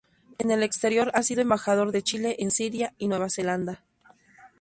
En el exterior ha sido Embajador de Chile en Siria y Nueva Zelanda.